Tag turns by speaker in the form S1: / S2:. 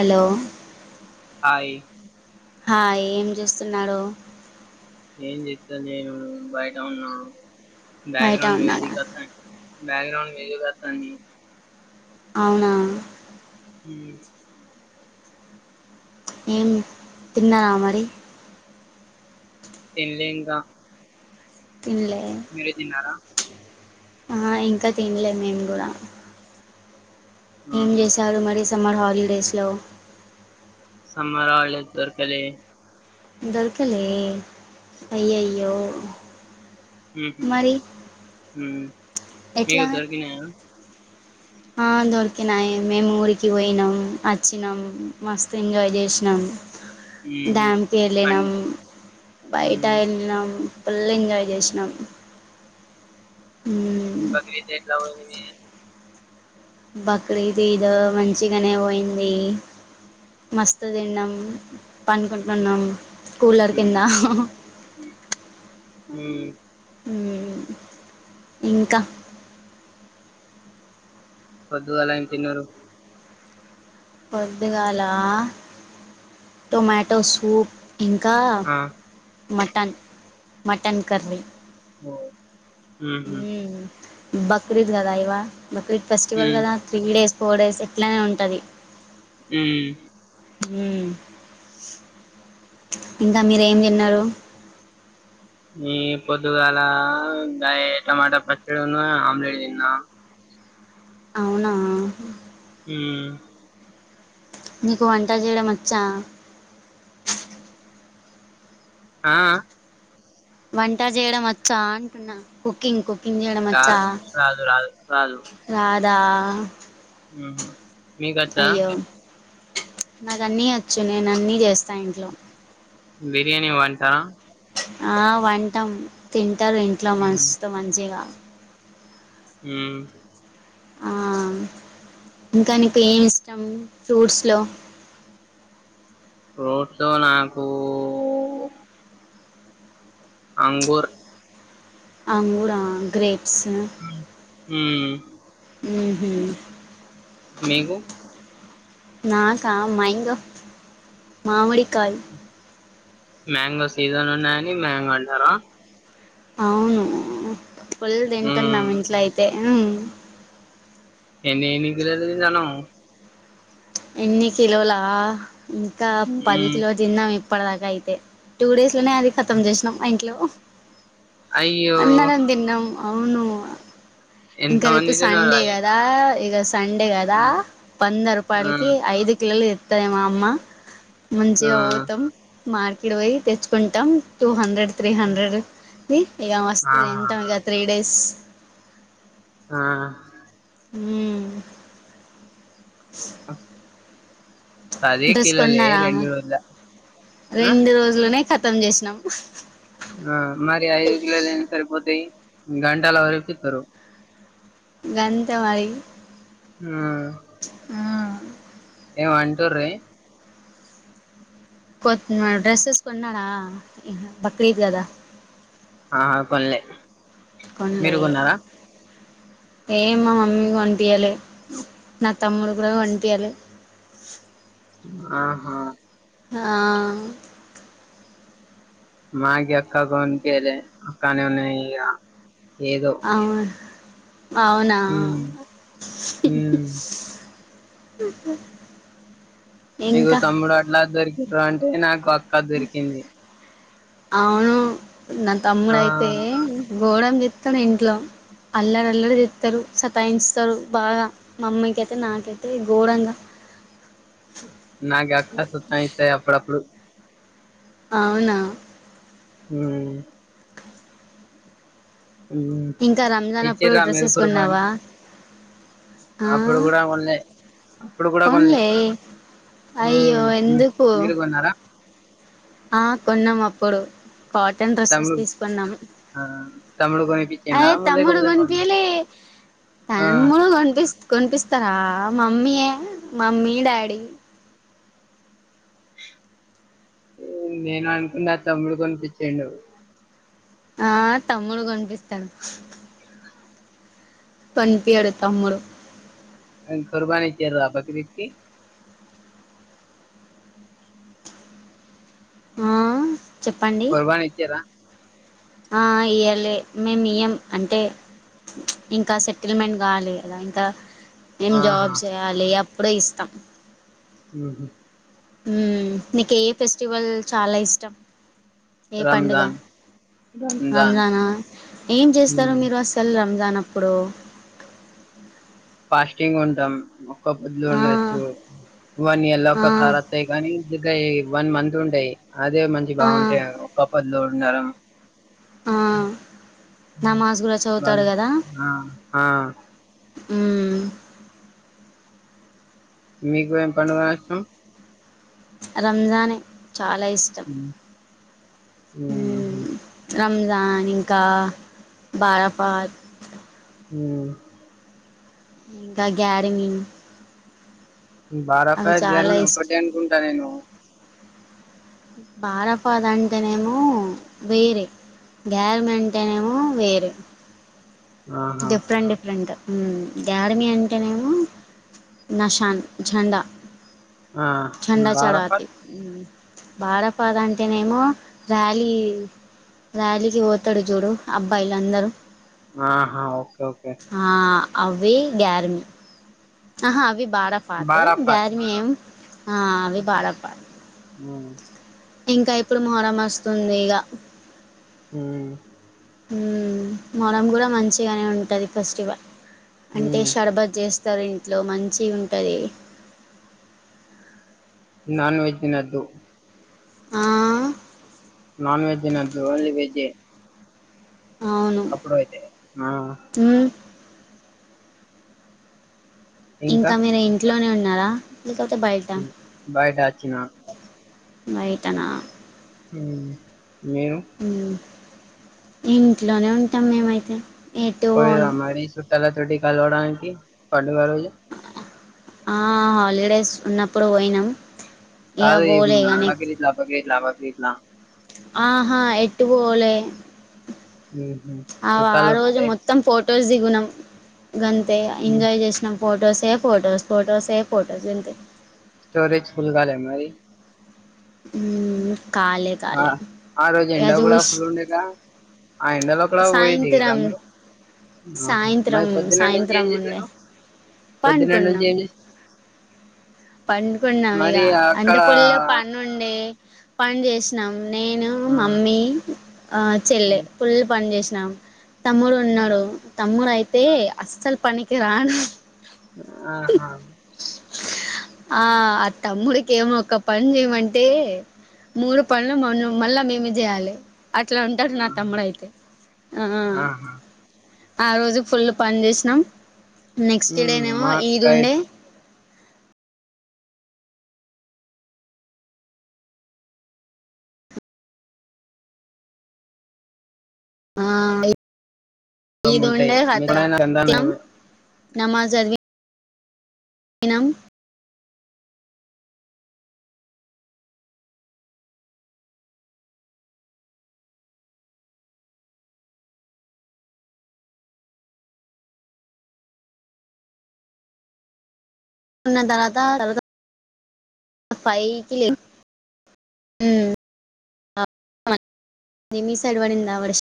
S1: hello
S2: hi
S1: hi ఏం చేూస్తున్నారు
S2: ఏం చేస్తలేను బయట ఉన్న
S1: బయట
S2: బ్యాక్గ్రౌండ్
S1: ఉన్నాడా
S2: మ్యూజిక్ అతా బ్యాక్గ్రాౌండ్ మ్యూజిక్ వాతంది
S1: అవునా
S2: హ
S1: హ్మ్ తిన్నావా మరి
S2: తిన్లే ఇంకా
S1: తిన్లే
S2: మీరు తిన్నారా
S1: ఆ ఇంకా తిన్లే మేము కూడా ఏం
S2: ఆహా
S1: చేశారు మరి సమ్మర్ హాలిడేస్లో
S2: సమ్మర్ హాలీడేస్ దొర్కలే
S1: దొర్కలే అయ్యాయో
S2: ఉహు ఉ మీకు
S1: ఎట్లా
S2: దొరికినయ
S1: ఆ దొరికినాయి మేము ఊరికి పోయినాం వచ్చినాం మస్తు ఎంజాయ్ చేస్నాం
S2: ఉహు పన్
S1: డెమ్మకెళ్లినం బయటా
S2: ఉమ్
S1: ఏళ్లినం ఫుల్ ఎంజాయ్ చెస్నం ఉ
S2: బక్రీద్ ఎట్ల పోయింది
S1: బక్రీద్ ఈద్ మంచిగానే పోయింది మస్తు తిన్నాం పనుకుంటున్నాం కూలర్ కింద
S2: ఉమ్మ్
S1: ఉమ్మ్ ఇంకా
S2: పొద్దుగాల ఏం తిన్నారు
S1: పొద్దుగాల టొమాటో సూప్ ఇంకా
S2: ఆ
S1: మటన్ మటన్ కర్రీ
S2: ఓ మ్మ్ఉహ్మ్
S1: బక్రీద్ కదా ఇవా బక్రీద్ ఫెస్టివల్
S2: ఉమ్
S1: కదా త్రీ డేస్ ఫోర్ డేస్ ఇట్లానే ఉంటది
S2: ఉమ్మ్
S1: ఉమ్మ్ ఇంకా మీరు ఏం తిన్నారు
S2: ఈ పొద్దుగాల గయే టమోటా పచ్చడిను ఆమ్లెట్ తిన్న
S1: అవునా
S2: ఉమ్మ్
S1: నీకు వంట చేయడం వచ్చా
S2: ఆ ఆ
S1: వంట చేయడం వచ్చా అంటున్నా కుకింగ్ కుకింగ్ చేయడం వచ్చా
S2: రాదు రాదు రాదు
S1: రాదా
S2: ఉమ్మ్ మీకు అచ్చా
S1: అయ్యో నాకు అన్నీ అచ్చు నేను అన్ని చేస్తా ఇంట్లో
S2: బిరియాని వంట
S1: ఆ వంటాం తింటారు ఇంట్లో
S2: ఉమ్
S1: మస్తు మంచిగా
S2: ఉమ్మ్
S1: ఆ ఇంకా నీకేమీ ఇష్టం ఫ్రూట్స్‌లో
S2: ఫ్రూట్లో నాకు అంగూర్
S1: అంగూరా గ్రేప్స్
S2: ఉమ్మ్
S1: మ్మ్ఉమ్మ్
S2: మీకు
S1: నాకా మ్యాంగో మామిడికాయ్
S2: మ్యాంగో సీజన్ ఉన్నాయని మ్యాంగో అంటారా
S1: అవును ఫుల్
S2: ఉమ్
S1: తింటున్నాం ఇంట్లో అయితే ఉమ్మ్
S2: ఎన్ని ఎన్ని కిలోలు తింటున్నావ్
S1: ఎన్ని కిలోలా ఇంకా పది
S2: ఉమ్
S1: కిలో తిన్నాం ఇప్పటి దాకా అయితే టూ డేస్‌లోనే అది కతం చేసినాం మా ఇంట్లో
S2: అయ్యో
S1: అందరం తిన్నాం అవును
S2: ఎంత
S1: ఇంకా రేపు
S2: మంది తిన్నారు
S1: సండే
S2: అవి
S1: క దా ఇగ సండే కదా
S2: ఉమ్
S1: వంద
S2: ఉమ్,
S1: రూపాయలకి ఐదు కిలోలు తెత్తది మా అమ్మ
S2: ఆ
S1: మంచిగా పో తాం మార్కెట్ పోయి తెచ్చుకుంటాం టూ హండ్రెడ్ త్రీ హండ్రెడ్ ది ఇగ మస్తు తింటాం ఇగ త్రీ డేస్
S2: ఆ
S1: ఉమ్మ్
S2: పది
S1: డ్రెస్
S2: కిలోలే
S1: కొన్నారా
S2: రెండు వందల
S1: రెండు రోజులనే కతం చేసినం
S2: ఆ మరి ఐదు కిలోలు ఏం సరిపోతాయి గంటాల వడిపిస్తారు
S1: గంత మరి
S2: ఆ ఏమంటుండ్ రే
S1: కొత్త డ్రెస్సెస్ కొన్నారా రేపు బక్రీద్ కదా
S2: ఆ కొనాలే
S1: కొనలే ఏం మా మమ్మీ కొనిపియ్యలే నా తమ్ముడు కూడా కొని పియలే
S2: ఆహా
S1: ఆ
S2: మ్యాగీ అక్క కొనిపీయలే కానీ నేనీయ ఏదో
S1: అవును అవునా
S2: ఉమ్ ఉమ్
S1: బక [inaudible]
S2: మీకు తమ్ముడు ఎట్లా దొరికిరు అంటే నాకు దొరికింది
S1: అవును నా తమ్ముడు
S2: ఆ
S1: అయితే గోరం చేస్తాడు ఇంట్లో అల్లర అల్లరు చేస్తారు సతాయిుస్తారు బాగా మమ్మీకి అయితే నాకైతే గోరంగా
S2: నాగే అక్క సతయిస్తాయి అప్పుడపుడు
S1: అవునా
S2: ఉమ్ ఉమ్
S1: ఇంకా రంజాన్ అప్పుడు
S2: ఇచ్చింరా మేరి
S1: డ్రెస్సెస్
S2: కుర్బాని
S1: కొన్నావా ఆ
S2: అప్పుడు కూడా కొన్నాయి అప్పుడు కూడా కొనాలే
S1: కొన్లే అయ్యో
S2: ఉమ్
S1: ఎందుకు
S2: మీరు కొన్నారా
S1: ఆ కొన్నం అప్పుడు కాటన్ డ్రెస్సెస్
S2: తమ్ముడు
S1: తీసుకున్నాం
S2: ఆ తమ్ముడు కొనిపించిండా
S1: అయ్ తమ్ముడు
S2: లేకపోతే మమ్మీ
S1: కొనిపియేలే
S2: ఆ
S1: తమ్ముడు కనిపిస్తాడు కొనిపిస్తారా మమ్మీయే మమ్మీ డాడీ
S2: నేను అనుకున్న తమ్ముడు కొనిపించిండు
S1: ఆ తమ్ముడు కొనిపిస్తాడు కొనిపియ్యడు తమ్ముడు
S2: అన్ కుర్బాయించారా బక్రీద్ కి
S1: ఆ చెప్పండి
S2: కుర్బాయించారా
S1: ఆ ఇయలే మేము ఇయం అంటే ఇంకా సెటిల్మెంట్ కలెదంటా మేం
S2: ఆహా
S1: జాబ్స్ చేయాలి అప్పుడే ఇస్తాం
S2: ఇ
S1: ఉమ్ నీకు ఏ ఫెస్టివల్ చాలా ఇష్టం ఏ పండుగ
S2: రంజాన్ రంజాన్
S1: రంజానా ఏం చేస్తారో
S2: ఉమ్
S1: మీరు అసలు కల్ రంజాన్ అప్పుడు
S2: ఫాస్టింగ్ ఉంటాం ఒక్క బుదులు
S1: ఆ
S2: ఉండొచ్చు వన్ ఇయర్ లో
S1: ఆ
S2: ఒక్కసారి వస్తాయి కానీ ఇక వన్ మంత్ ఉంటాయి అదే మంచి
S1: ఆ
S2: బాగుంటాయి ఒక్క పొద్దులో ఉండడం
S1: ఆ నమాజ్ లో చదువుతాడు
S2: వాళ్ళు
S1: కదా
S2: ఆ ఆ
S1: ఉమ్
S2: మీకు ఎం పని బాయిష్టం
S1: రంజానే చాలా ఇష్టం మ్మ్
S2: మ్మహు
S1: రంజాన్ ఇంకా బారాపాత్
S2: మ్మ్
S1: ఇంగ గ్యాడమింగ్
S2: బారాఫా
S1: చాలా
S2: గ్యాని ఒకటే
S1: ఇష్టం
S2: అనుకుంటా నేను
S1: బారఫాద్ అంటేనేమో వేరే గ్యర్ మంటేనేమో వేరే
S2: ఆహా
S1: డిఫరెంట్ డిఫరెంటు గారమి అంటేనేమో నషాన్ చండా
S2: ఆ
S1: చండా చడాతి
S2: బారాఫత్
S1: బారపాద్ అంటేనేమో ర్యాలీ ర్యాలీకి పోతరు చూడు అబ్బాయిలు అందరూ
S2: ఆహా ఓకే ఓకే
S1: ఆ అవి గారమీ ఆహా అవి బారా పాత్
S2: బారాఫత్
S1: గ్యార మేం ఆ అవి బారా పాత్
S2: మ్మ్
S1: ఇంకా ఇప్పుడు మొహరం వస్తుంది ఇగా
S2: ఉమ్
S1: మ్మ్ మొహరం కూడా మంచిగానే ఉంటుంది ఫెస్టివల్ అంటే
S2: ఉమ్
S1: షర్బతు చేస్త సర ఇంట్లో మంచిగుంటది
S2: నాన్ వెజ్ దినద్దు
S1: ఆ
S2: నాన్ వెజ్ తినదు ఓన్లీ వెజ్ ఎ
S1: అవును
S2: అప్పుడు అయితే ఆ
S1: మ్మ్ ఇంకా మీర ఇంట్లోనే ఉన్నారా లేకపోతే బయట
S2: బయట ఆచ్చిన
S1: బైటనా
S2: ఉమ్ మీరు
S1: ఇంట్లోనే ఉంటాం మేమైతే ఎటు
S2: పాయిరా
S1: పోను
S2: మరి సుట్టాలతోటి కాలవడానికి పండుగ రోజు
S1: ఆ హాలిడేస్ ఉన్నప్పుడు పోయినాం ఇగ
S2: కాదు ఈ
S1: పోలే ఇగ నెక్స్ట్
S2: బక్రీద్ లా బక్రీద్ లా బక్రీద్ లా
S1: ఆహా ఎట్టు పోలే
S2: ఉహు
S1: ఆ ఆ
S2: చుట్టాలు
S1: రోజు
S2: వత్తే
S1: మొత్తం ఫొటోస్ దిగినం గంతే ఎంజాయ్ చేసినాం ఫోటోస్ ఏ ఫోటోస్ ఫోటోస్ ఏ ఫోటోస్ అంతే
S2: స్టోరేజ ఫుల్ కాలె మరి
S1: మ్మ్ కాలే
S2: ఆ
S1: కాలే
S2: ఆ రోజు
S1: ఇగ
S2: ఎండ కూడా
S1: జూష్
S2: ఫుల్ ఉండే గా ఆ ఎండలో కూడా పోయి దిగిర్రా
S1: సాయంత్రం
S2: మీరు ఆహా మరి
S1: సాయంత్రం
S2: పోధున నించి
S1: సాయంత్రం
S2: ఏమి
S1: ఉండే
S2: చేసిర్రు పొద్దున నించి
S1: పండుకున్నాం
S2: ఏమి చే
S1: పండుకున్నాం ఇక
S2: మరి
S1: అంటే
S2: అక్కడ
S1: ఫుల్ ప నుండే పని చేసినాం నేను
S2: ఆ
S1: మమ్మీ అ చెల్లె
S2: ఉమ్,
S1: పు పని చేసినాం తమ్ముడు
S2: ఉమ్,
S1: ఉన్నాడు తమ్ముడు అయితే అస్సలు పనికి రాను
S2: ఆహా
S1: ఆ ఆ తమ్ముడికి ఏమో ఒక్క పని జేయమంటే మూడు పనులు మ మళ్ళా మేమే జేయాలె అట్ల ఉంటడు నా
S2: ఆహా
S1: తమ్ముడు అయితే ఆ
S2: ఆహా
S1: ఆ రోజు ఫుల్లు పని జేసినాం నెక్స్ట్
S2: ఉమ్,
S1: డేనేమో
S2: మా
S1: ఈద్
S2: అక్క
S1: ఉండే ఆ ఈద్
S2: ఉంటాయి
S1: ఉండే హత్రా
S2: మీడైనా
S1: నమాజ జదివి ఉన్న దర్వాద ఫైవ్ కిలే ఉ మీ సైడవడింద వర్ష